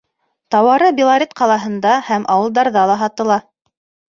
Тауары Белорет ҡалаһында һәм ауылдарҙа ла һатыла.